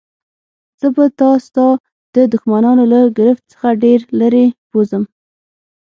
زه به تا ستا د دښمنانو له ګرفت څخه ډېر لیري بوزم.